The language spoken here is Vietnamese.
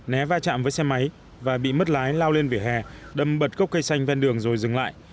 né va chạm với xe máy và bị mất lái lao lên vỉa hè đâm bật cốc cây xanh ven đường rồi dừng lại